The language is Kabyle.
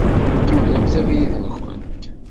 Kemmlemt abrid-nkent.